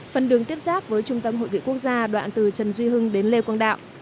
phần đường tiếp giáp với trung tâm hội nghị quốc gia đoạn từ trần duy hưng đến lê quang đạo